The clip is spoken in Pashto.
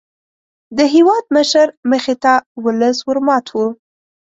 د هېوادمشر مخې ته ولس ور مات وو.